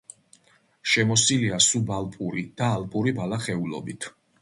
შემოსილია სუბალპური და ალპური ბალახეულობით.